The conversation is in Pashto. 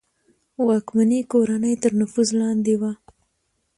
واکمنې کورنۍ تر نفوذ لاندې وه.